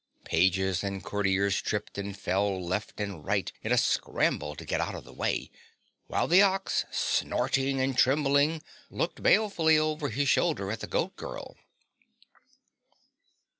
Pages and courtiers tripped and fell left and right in a scramble to get out of the way, while the ox, snorting and trembling, looked balefully over his shoulder at the Goat Girl.